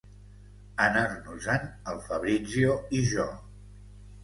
Anar-nos-en el Fabrizio i jo.